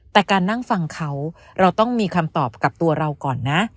แต่การนั่งฟังเขาเราต้องมีคำตอบกับตัวเราก่อนนะ